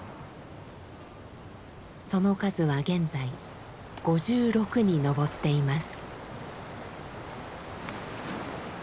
その数は現在５６に上っています。